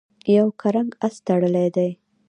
یو کرنګ آس تړلی دی.